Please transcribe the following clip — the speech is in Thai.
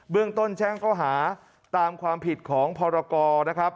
เรื่องต้นแจ้งข้อหาตามความผิดของพรกรนะครับ